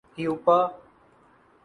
ہیوپا